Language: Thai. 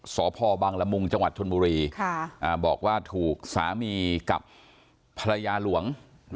สพบังละมุงจังหวัดชนบุรีบอกว่าถูกสามีกับภรรยาหลวง